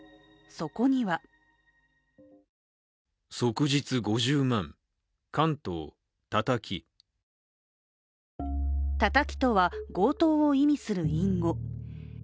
そこには「叩き」とは、強盗を意味する隠語。